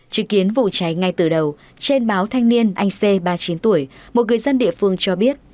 chứng kiến vụ cháy ngay từ đầu trên báo thanh niên anh c ba mươi chín tuổi một người dân địa phương cho biết